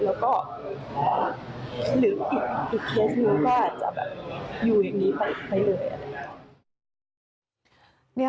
แล้วก็อีกเคสหนึ่งก็จะอยู่อย่างนี้ไปเลย